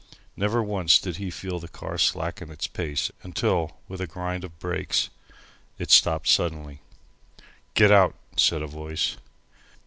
Never once did he feel the car slacken its pace, until, with a grind of brakes, it stopped suddenly. "Get out," said a voice.